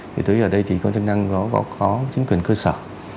thì tới giờ đây thì cơ quan chức năng nó có chính quyền cơ sở